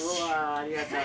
ありがとう。